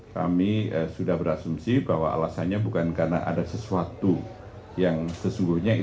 kami sudah berasumsi bahwa alasannya bukan karena ada sesuatu yang sesungguhnya